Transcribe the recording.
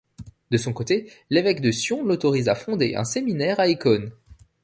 De son côté, l'évêque de Sion l'autorise à fonder un séminaire à Écône.